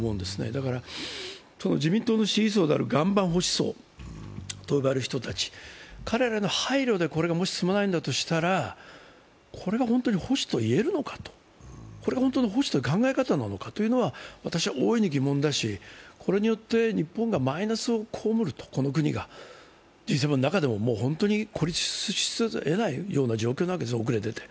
だから自民党の支持層である岩盤保守層となる人たち、彼らの配慮でもし、これが進まないんだとしたら、これが本当に保守といえるのか、これが本当の保守という考え方なのかというのが私は大いに疑問だし、これによって日本がマイナスをこうむると、この国がＧ７の中でも孤立せざるを得ない状況なんですね、遅れてて。